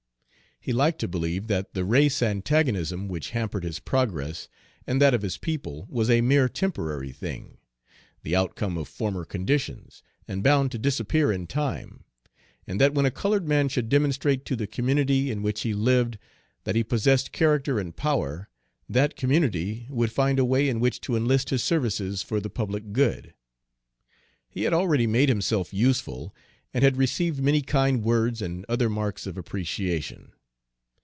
He liked to believe that the race antagonism which hampered his progress and that of his people was a mere temporary thing, the outcome of former conditions, and bound to disappear in time, and that when a colored man should demonstrate to the community in which he lived that he possessed character and power, that community would find a way in which to enlist his services for the public good. He had already made himself useful, and had received many kind words and other marks of appreciation.